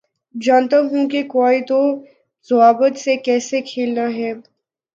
جانتا ہوں کے قوائد و ضوابط سے کیسے کھیلنا ہے